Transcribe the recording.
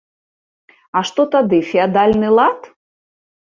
А што тады феадальны лад?